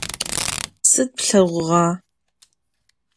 Sıd plheğuğa?